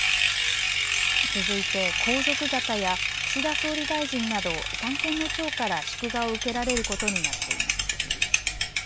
続いて皇族方や岸田総理大臣など三権の長から祝賀を受けられることになっています。